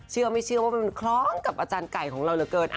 ไม่เชื่อว่ามันคล้องกับอาจารย์ไก่ของเราเหลือเกิน